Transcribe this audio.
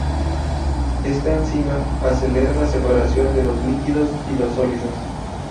Esta enzima acelera la separación de los líquidos y los sólidos.